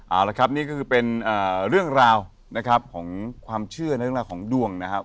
เอาละครับนี่ก็คือเป็นเรื่องราวนะครับของความเชื่อในเรื่องราวของดวงนะครับ